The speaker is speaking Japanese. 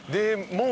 もう。